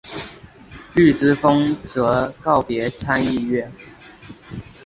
绿之风则告别参议院。